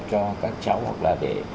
cho các cháu hoặc là để